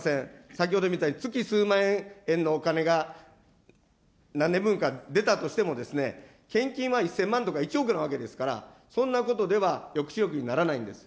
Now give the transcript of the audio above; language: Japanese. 先ほどみたいに月数万円のお金が何年分か出たとしても献金は１０００万とか１億なわけですから、そんなことでは抑止力にならないんです。